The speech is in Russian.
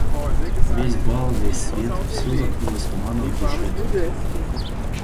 Весь бал, весь свет, всё закрылось туманом в душе Кити.